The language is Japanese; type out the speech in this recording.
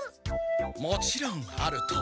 もちろんあるとも。